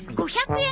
５００円